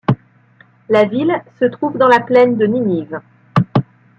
La ville se trouve dans la Plaine de Ninive.